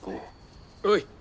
おい！